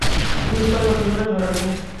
دوی خپل موټرونه جوړوي.